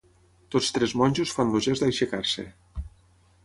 Tots tres monjos fan el gest d'aixecar-se.